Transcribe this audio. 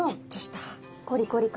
コリコリ感。